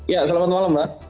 ya selamat malam mbak